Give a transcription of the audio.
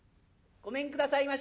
ごめんくださいまし」。